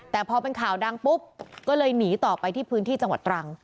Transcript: แต่พอเป็นข่าวดังปุ๊บก็เลยหนีต่อไปที่พื้นที่จังหวัดตรัง